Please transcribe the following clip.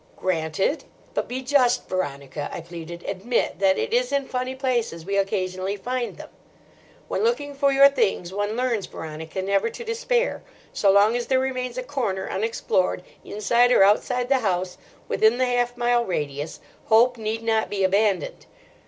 "Granted. But be just, Veronica," I pleaded. "Admit that it is in funny places we occasionally find them. When looking for your things one learns, Veronica, never to despair. So long as there remains a corner unexplored inside or outside the house, within the half mile radius, hope need not be abandoned."